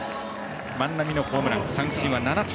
万波のホームラン三振は７つ。